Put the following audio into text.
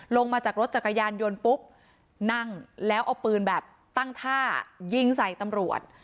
ลงมาจากรถจักรยานยนต์ปุ๊บนั่งแล้วเอาปืนแบบตั้งท่ายิงใส่ตำรวจ